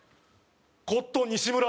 コットン西村！